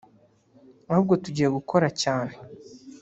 ahubwo tugiye gukora cyane